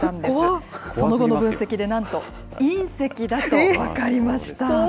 その後の分析で、なんと隕石だと分かりました。